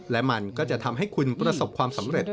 และมันก็จะทำให้คุณประสบความสำเร็จ